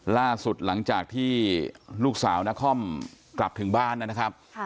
ล่าสุดหลังจากที่ลูกสาวนครกลับถึงบ้านนะครับ